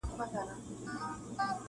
چي د تاج دي سو دښمن مرګ یې روا دی-